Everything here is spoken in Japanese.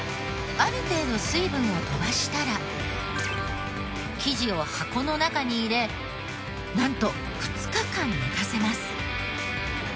ある程度水分を飛ばしたら生地を箱の中に入れなんと２日間寝かせます。